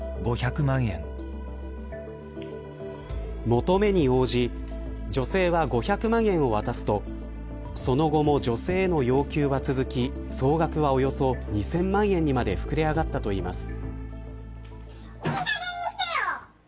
求めに応じ女性は５００万円を渡すとその後も女性への要求は続き総額はおよそ２０００万円にまでふくれ上がったといいます。